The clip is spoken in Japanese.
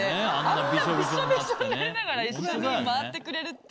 あんなビショビショになりながら一緒に回ってくれるって。